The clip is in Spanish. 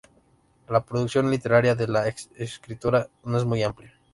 La producción literaria de la escritora no es muy amplia.